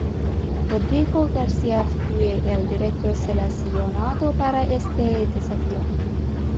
Rodrigo García fue el director seleccionado para este desafío.